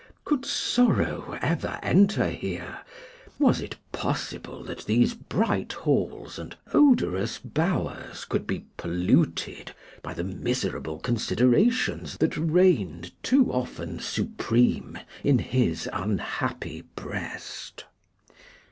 Could sorrow ever enter here? Was it possible that these bright halls and odorous bowers could be polluted by the miserable considerations that reigned too often supreme in his unhappy breast?